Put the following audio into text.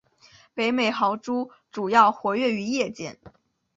北美豪猪主要活跃于夜间。